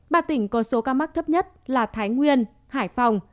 ba tỉnh có số ca mắc thấp nhất là thái nguyên hải phòng